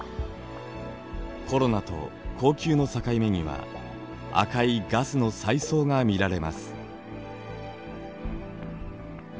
コロナと光球の境目には赤いガスの彩層が見られます。